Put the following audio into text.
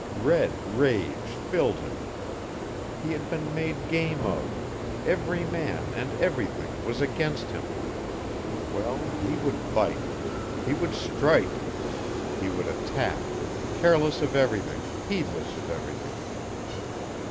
Red rage filled him. He had been made game of, every man and everything was against him. Well, he would bite. He would strike. He would attack, careless of everything, heedless of everything.